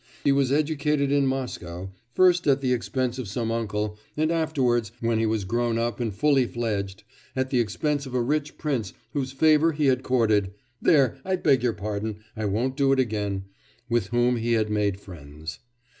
He was educated in Moscow, first at the expense of some uncle, and afterwards, when he was grown up and fully fledged, at the expense of a rich prince whose favour he had courted there, I beg your pardon, I won't do it again with whom he had made friends.